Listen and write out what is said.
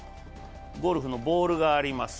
ゴルフのボールがあります。